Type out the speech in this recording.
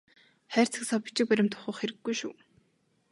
Хайрцаг сав бичиг баримт ухах хэрэггүй шүү.